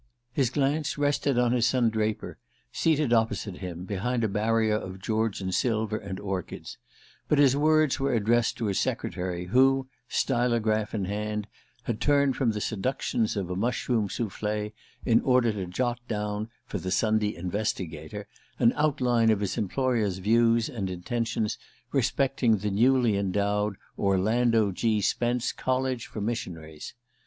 His glance rested on his son Draper, seated opposite him behind a barrier of Georgian silver and orchids; but his words were addressed to his secretary who, stylograph in hand, had turned from the seductions of a mushroom souffle in order to jot down, for the Sunday Investigator, an outline of his employer's views and intentions respecting the newly endowed Orlando G. Spence College for Missionaries.